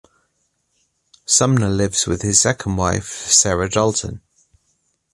Sumner lives with his second wife, Sarah Dalton.